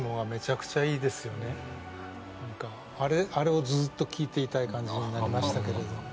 あれをずっと聴いていたい感じになりましたけれど。